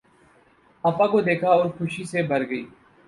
آپا کو دیکھا اور خوشی سے بھر گئی۔